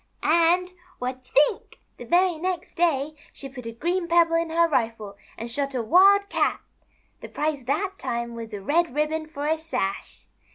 " And, what you think ! The very next day she put a green pebble in her rifle and shot a Wild Cat. The prize that time was a red ribbon for a sash.